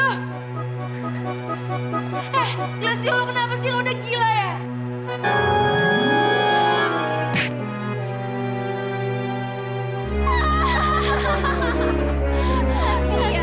eh glecio lo kenapa sih lo udah gila ya